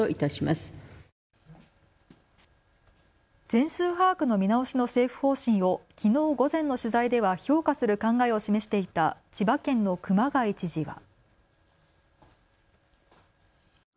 全数把握見直しの政府方針を、きのう午前の取材では評価する考えを示していた千葉県の熊谷知事は。